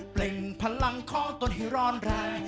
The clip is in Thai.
เพลงพลังของตนให้ร้อนแรง